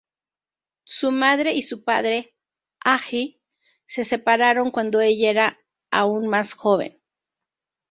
Su madre y su padre Hajji, se separaron cuando ella era aún más joven.